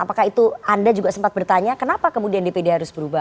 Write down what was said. apakah itu anda juga sempat bertanya kenapa kemudian dpd harus berubah